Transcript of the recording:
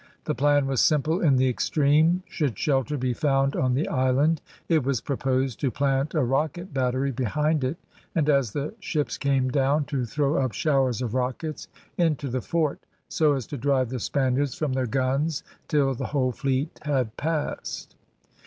The plan was simple in the extreme, should shelter be found on the island, it was proposed to plant a rocket battery behind it, and as the ships came down to throw up showers of rockets into the fort, so as to drive the Spaniards from their guns till the whole fleet had passed.